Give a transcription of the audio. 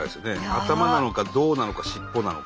頭なのか胴なのか尻尾なのか。